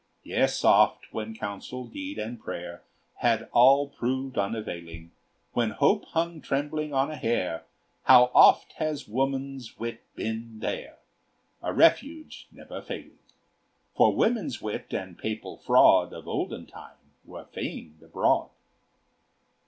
Yet oft, when counsel, deed, and prayer Had all proved unavailing, When hope hung trembling on a hair, How oft has woman's wit been there! A refuge never failing; For woman's wit and Papal fraud, Of olden time, were famed abroad.